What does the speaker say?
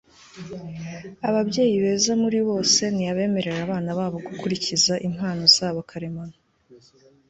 Ababyeyi beza muri bose ni abemerera abana babo gukurikiza impano zabo karemano